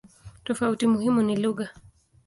Tofauti muhimu ni lugha.